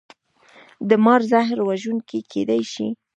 د مار زهر وژونکي کیدی شي